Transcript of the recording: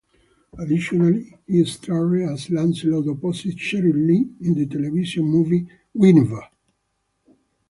Additionally, he starred as Lancelot opposite Sheryl Lee in the Television movie "Guinevere".